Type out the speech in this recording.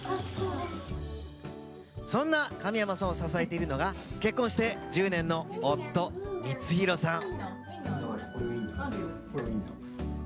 そんな神山さんを支えているのが結婚して１０年の夫・允宏さん。